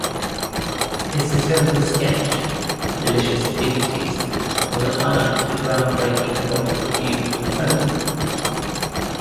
His satirical sketch, "Delicious Indignities", was a highlight of the ground-breaking erotic revue, "Oh!